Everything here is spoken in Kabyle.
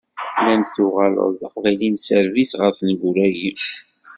Nnan-d tuɣaleḍ d Aqbayli n sserbis ɣer tneggura-yi.